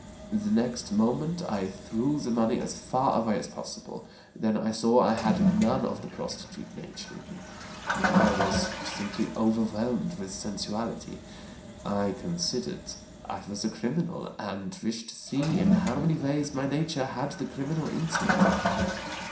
The next moment I threw the money as far away as possible. Then I saw I had none of the prostitute nature in me. I was simply overwhelmed with sensuality. I considered I was a criminal and wished to see in how many ways my nature had the criminal instinct.